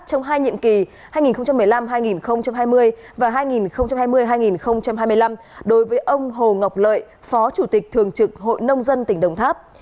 trong hai nhiệm kỳ hai nghìn một mươi năm hai nghìn hai mươi và hai nghìn hai mươi hai nghìn hai mươi năm đối với ông hồ ngọc lợi phó chủ tịch thường trực hội nông dân tỉnh đồng tháp